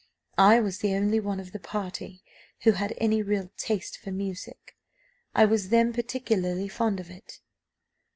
I was the only one of the party who had any real taste for music. I was then particularly fond of it.